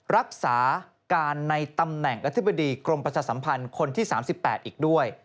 รักษาการในตำแหน่งอธิบดีกรมประชาสัมพันธ์คนที่๓๘อีกด้วย